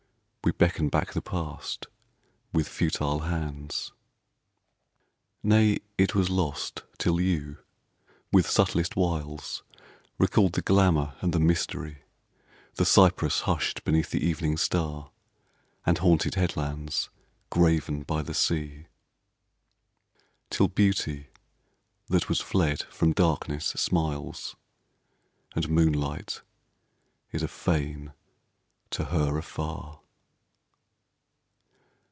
We beckon back the past with futile hands." Nay, it was lost till you, with subtlest wiles, Recalled the glamor and the mystery — The cypress hushed beneath the evening star, And haunted headlands graven by the sea — Till Beauty that was fled from darkness smiles, And moonlight is a fane to her afar.